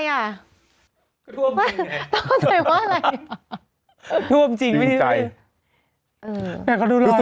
ก็ท่วมจริงไงต้องเข้าใจว่าอะไรท่วมจริงไม่ได้เลยจริงใจ